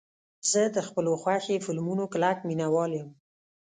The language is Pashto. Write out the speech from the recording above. زه د خپلو خوښې فلمونو کلک مینهوال یم.